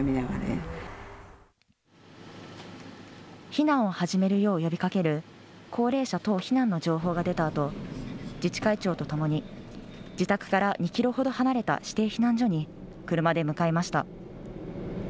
避難を始めるよう呼びかける高齢者等避難の情報が出たあと、自治会長と共に自宅から２キロほど離れた指定避難所に車で向かいました。